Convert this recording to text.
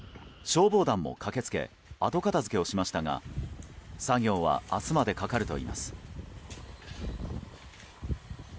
消防団も駆けつけ後片付けをしましたが作業は明日までかかるといいます。